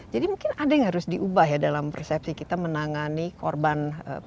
jadi mungkin ada yang harus diubah ya dalam persepsi kita menangani korban